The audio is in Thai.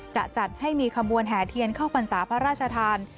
จะจัดให้มีขบวนแห่เทียนเข้าพรรษาพระราชทาน